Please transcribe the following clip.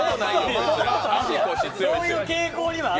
そういう傾向にはある。